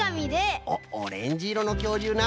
おっオレンジいろのきょうりゅうな。